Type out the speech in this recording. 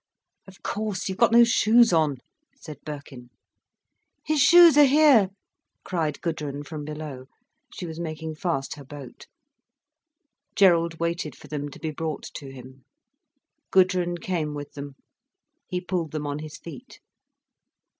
"Of course, you've got no shoes on," said Birkin. "His shoes are here!" cried Gudrun from below. She was making fast her boat. Gerald waited for them to be brought to him. Gudrun came with them. He pulled them on his feet.